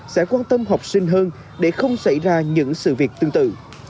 sẽ quan tâm học sinh hơn để không xảy ra những sự việc tương tự